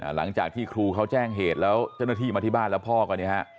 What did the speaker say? หลังจากที่ครูเขาแจ้งเหตุแล้วเจ้าหน้าที่มาที่บ้านแล้วพ่อก็เนี่ยฮะ